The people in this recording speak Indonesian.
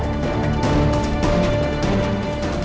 jadi selama ini diego punya kembaran